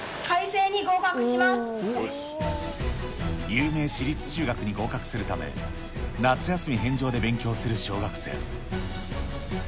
有名私立中学に合格するため、夏休み返上で勉強する小学生。